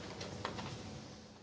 terima kasih pak